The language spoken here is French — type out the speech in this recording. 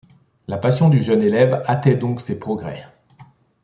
La passion du jeune élève hâtait donc ses progrès.